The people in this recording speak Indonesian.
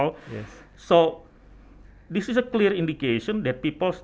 jadi ini adalah indikasi yang jelas